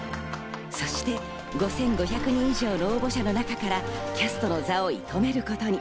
そして５５００人以上の応募者の中からキャストの座を射止めることに。